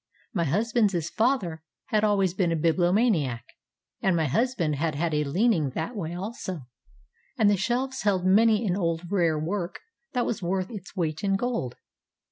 My husbandŌĆÖs father had been a bibliomaniac, and my husband had had a leaning that way also, and the shelves held many an old rare work that was worth its weight in gold.